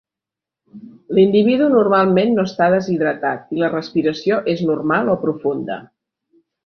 L'individu normalment no està deshidratat i la respiració és normal o profunda.